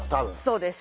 そうです。